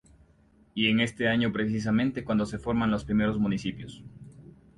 Y es en este año precisamente cuando se forman los primeros municipios.